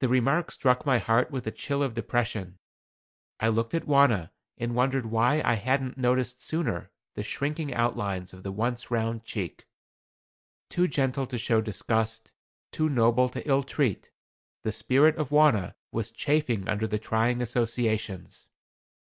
The remark struck my heart with a chill of depression. I looked at Wauna and wondered why I had noticed sooner the shrinking outlines of the once round cheek. Too gentle to show disgust, too noble to ill treat, the spirit of Wauna was chafing under the trying associations.